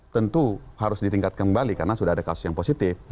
tentu harus ditingkatkan kembali karena sudah ada kasus yang positif